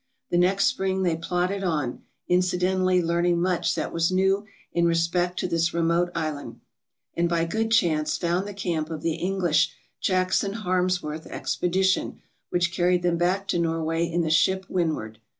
The next spring they plodded on, incidentally learning much that was new in respect to this remote island, and by good chance found the camp of the English Jackson Harmsworth Expedition, which carried them back to Norway in the ship "Windward."